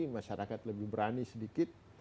masyarakat lebih berani sedikit